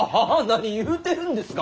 何言うてるんですか！